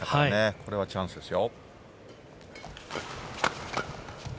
これはチャンスですよ。